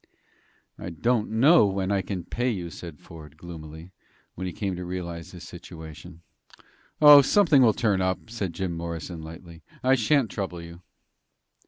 "I don't know when I can pay you," said Ford, gloomily, when he came to realize his situation. "Oh, something will turn up." said Jim Morrison, lightly. "I shan't trouble you."